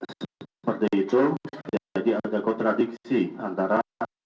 seperti itu jadi ada kontradiksi antara